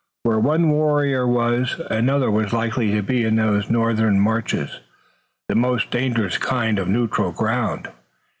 Where one warrior was another was likely to be in those northern marches, the most dangerous kind of neutral ground.